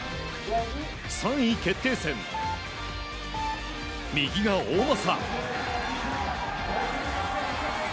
３位決定戦、右が大政。